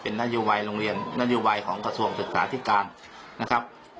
เป็นนัฏยวัยโรงเรียนนัฏยวัยของกระทรวงศึกษาที่กลางนะครับ